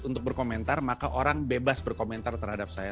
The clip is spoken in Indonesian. untuk berkomentar maka orang bebas berkomentar terhadap saya